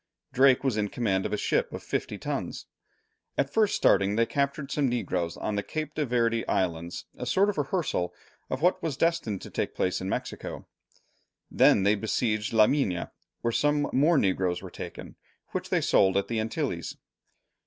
Drake was in command of a ship of fifty tons. At first starting they captured some negroes on the Cape de Verd Islands, a sort of rehearsal of what was destined to take place in Mexico. Then they besieged La Mina, where some more negroes were taken, which they sold at the Antilles.